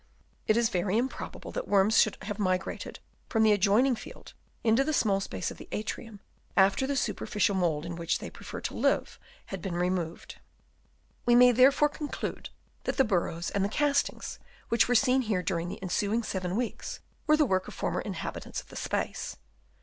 It is very improbable that worms should have migrated from the adjoin ing field into the small space of the atrium, after the superficial mould in which they prefer to live, had been removed. We may therefore conclude that the burrows and the castings which were seen here during the ensuing seven weeks were the work of the former inhabitants of the space.